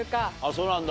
そうなんだ。